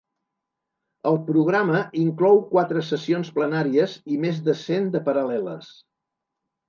El programa inclou quatre sessions plenàries i més de cent de paral·leles.